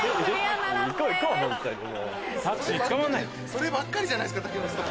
そればっかりじゃないですか。